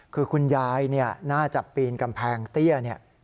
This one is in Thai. คือคุณยายน่าจะปีนกำแพงเตี้ยเนี่ย